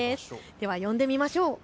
では呼んでみましょう。